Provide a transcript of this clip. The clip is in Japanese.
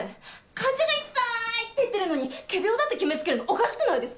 患者が痛いって言ってるのに仮病だって決めつけるのおかしくないですか？